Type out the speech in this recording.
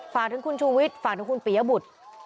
ฝากถึงคุณชูวิทย์ฝากถึงคุณปียบุตร